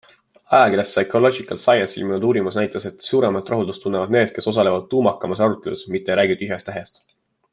Ajakirjas Psychological Science ilmunud uurimus näitas, et suuremat rahuldust tunnevad need, kes osalevad tuumakamas arutelus, mitte ei räägi tühjast-tähjast.